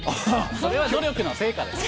それは努力の成果だよ。